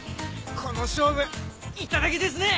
この勝負いただきですね。